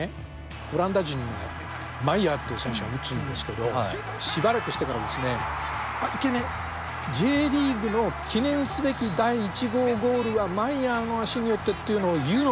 オランダ人のマイヤーっていう選手が打つんですけどしばらくしてからですねあっいけね「Ｊリーグの記念すべき第１号ゴールはマイヤーの足によって」っていうのを言うのを忘れてんですよ。